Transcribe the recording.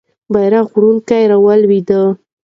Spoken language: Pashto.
بیرغ وړونکی رالوېده.